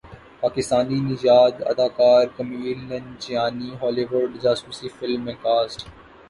پاکستانی نژاد اداکار Kumail Nanjiani Hollywood جاسوسی فلم میں کاسٹ